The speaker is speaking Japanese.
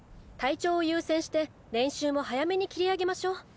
体調を優先して練習も早めに切り上げましょう。